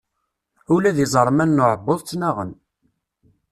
Ula d iẓerman n uɛebbuḍ ttnaɣen.